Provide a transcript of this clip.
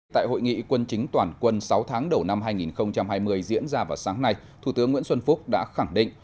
tại hội nghị quân chính toàn quân sáu tháng đầu năm hai nghìn hai mươi diễn ra vào sáng nay thủ tướng nguyễn xuân phúc đã khẳng định